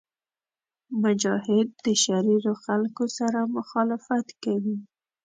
مجاهد د شریرو خلکو سره مخالفت کوي.